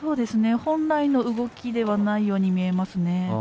本来の動きではないように見えますね。